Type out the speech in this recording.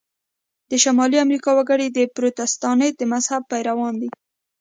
د شمالي امریکا وګړي د پروتستانت د مذهب پیروان دي.